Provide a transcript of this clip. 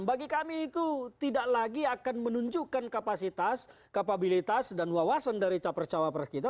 bagi kami itu tidak lagi akan menunjukkan kapasitas kapabilitas dan wawasan dari capres cawapres kita